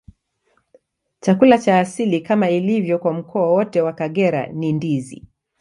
Chakula cha asili, kama ilivyo kwa mkoa wote wa Kagera, ni ndizi.